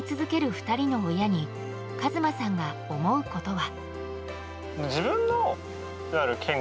２人の親に和真さんが思うことは。